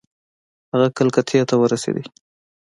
هغه کلکتې ته ورسېدی.